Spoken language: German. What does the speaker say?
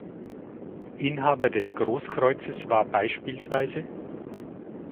Inhaber des Großkreuzes war bspw.